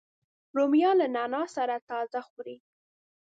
رومیان له نعناع سره تازه خوري